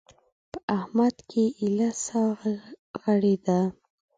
په احمد کې ايله سا غړېده.